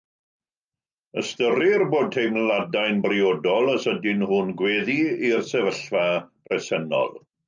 Ystyrir bod teimladau'n briodol os ydyn nhw'n gweddu i'r sefyllfa bresennol.